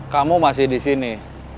kamu masih disini